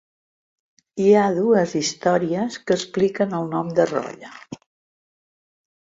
Hi ha dues històries que expliquen el nom de Rolla.